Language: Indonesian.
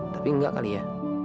tapi nggak kali ya